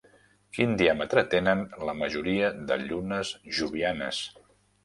Quin diàmetre tenen la majoria de llunes jovianes?